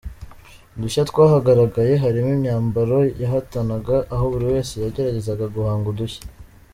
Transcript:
Mu dushya twahagaragaye harimo imyambaro y’abahatanaga aho buri wese yageragezaga guhanga udushya.